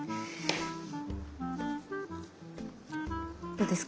どうですか？